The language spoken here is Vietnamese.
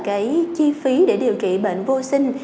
cái chi phí để điều trị bệnh vô sinh